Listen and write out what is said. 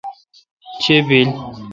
چے°بیل۔